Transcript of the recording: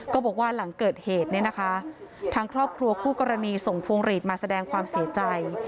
บอกว่าหลังเกิดเหตุเนี่ยนะคะทางครอบครัวคู่กรณีส่งพวงหลีดมาแสดงความเสียใจ